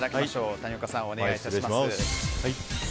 谷岡さん、お願いします。